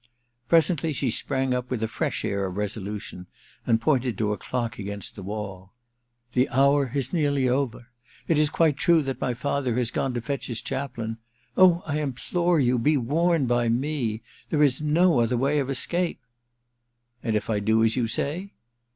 Presently she sprang up with a fresh air of resolution, and pointed to a clock against the wall. * The hour is nearly over. It is quite true that my father is gone to fetch his chaplain. Oh, I implore you, be warned by me ! There is no other way of escape.' * And if I do as you say